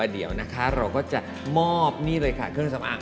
เดี๋ยวเราก็จะมอบเครื่องสำอาง